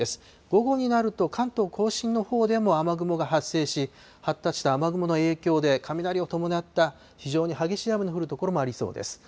午後になると、関東甲信のほうでも雨雲が発生し、発達した雨雲の影響で、雷を伴った非常に激しい雨の降る所もありそうです。